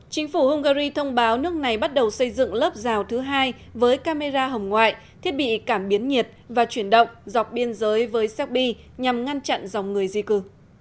chính phủ hungary thông báo nước này bắt đầu xây dựng lớp rào thứ hai với camera hồng ngoại thiết bị cảm biến nhiệt và chuyển động dọc biên giới với serbi nhằm ngăn chặn dòng người di cư